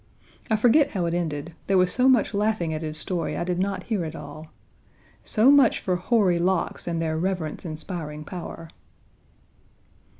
I forget how it ended. There was so much laughing at his story I did not hear it all. So much for hoary locks and their reverence inspiring power!